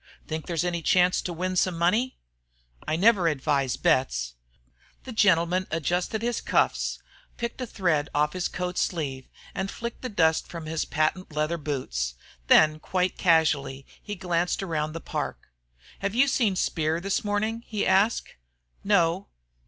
"Think there's any chance to win some money?" "I never advise bets." The gentleman adjusted his cuffs, picked a. thread off his coat sleeve, and flicked the dust from his patent leather boots. Then quite casually he glanced all around the park. "Have you seen Speer this morning?" he asked. "No."